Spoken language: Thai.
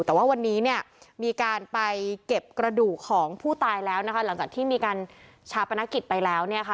แต่ว่าวันนี้เนี่ยมีการไปเก็บกระดูกของผู้ตายแล้วนะคะหลังจากที่มีการชาปนกิจไปแล้วเนี่ยค่ะ